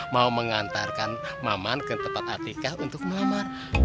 mau mengantarkan maman ke tempat artikel untuk mamar